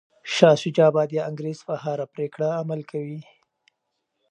شاه شجاع به د انګریز په هره پریکړه عمل کوي.